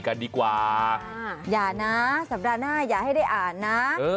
กันดีกว่าอย่านะสัปดาห์หน้าอย่าให้ได้อ่านนะ